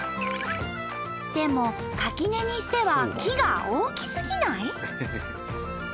でも垣根にしては木が大きすぎない？